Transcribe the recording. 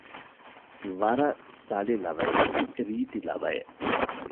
ވަރަށް ސަޅި ލަވަޔަކީ ރީތި ލަވައެއް